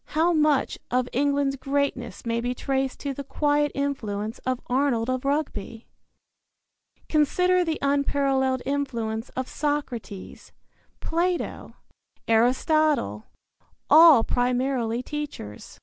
How much of England's greatness may be traced to the quiet influence of Arnold of Rugby! Consider the unparalleled influence of Socrates, Plato, Aristotle all primarily teachers.